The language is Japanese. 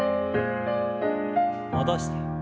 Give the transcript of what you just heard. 戻して。